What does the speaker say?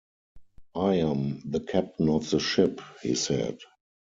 "I am the captain of the ship," he said.